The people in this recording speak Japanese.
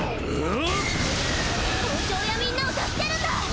校長やみんなを助けるんだ！